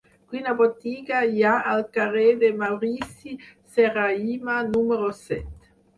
Quina botiga hi ha al carrer de Maurici Serrahima número set?